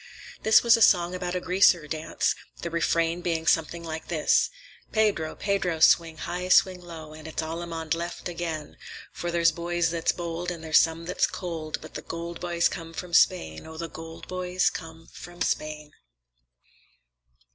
This was a song about a Greaser dance, the refrain being something like this:— "Pedró, Pedró, swing high, swing low, And it's allamand left again; For there's boys that's bold and there's some that's cold, But the góld boys come from Spain, Oh, the góld boys come from Spain!"